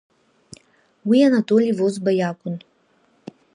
Уи Анатоли Возба иакәын.